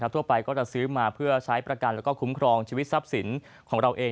ทั่วไปก็จะซื้อมาเพื่อใช้ประกันแล้วก็คุ้มครองชีวิตทรัพย์สินของเราเอง